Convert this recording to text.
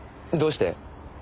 どうして？